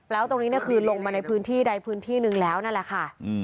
แล้วตรงนี้คือลงมาในพื้นที่ใดพื้นที่หนึ่งแล้วนั่นแหละค่ะ